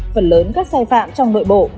phần lớn các sai phạm trong nội bộ